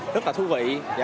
rất là thú vị